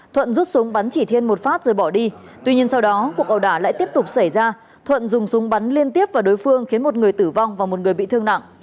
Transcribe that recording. thuận rút súng bắn chỉ thiên một phát rồi bỏ đi tuy nhiên sau đó cuộc ẩu đả lại tiếp tục xảy ra thuận dùng súng bắn liên tiếp vào đối phương khiến một người tử vong và một người bị thương nặng